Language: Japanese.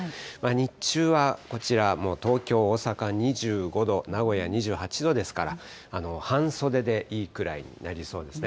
日中はこちら、東京、大阪２５度、名古屋２８度ですから、半袖でいいくらいになりそうですね。